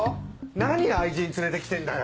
何愛人連れて来てんだよ。